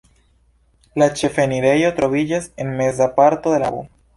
La ĉefenirejo troviĝas en meza parto de la navo.